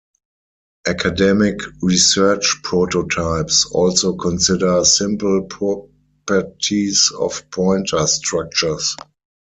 Academic research prototypes also consider simple properties of pointer structures.